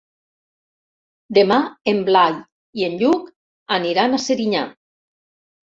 Demà en Blai i en Lluc aniran a Serinyà.